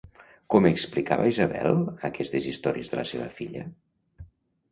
Com explicava Isabel aquestes històries de la seva filla?